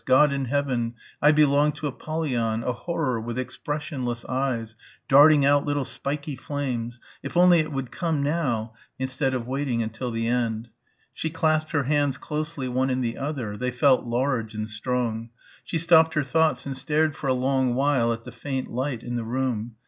... God in heaven.... I belong to Apollyon ... a horror with expressionless eyes ... darting out little spiky flames ... if only it would come now ... instead of waiting until the end.... She clasped her hands closely one in the other. They felt large and strong. She stopped her thoughts and stared for a long while at the faint light in the room....